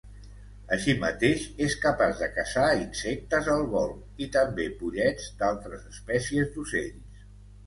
Així mateix, és capaç de caçar insectes al vol i també pollets d'altres espècies d'ocells.